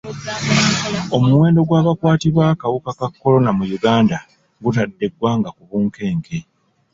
Omuwendo gw'abakwatibwa akawuka ka kolona mu Uganda gutadde eggwanga ku bunkenke.